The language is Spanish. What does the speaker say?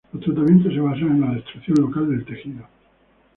Los tratamientos se basan en la destrucción local del tejido.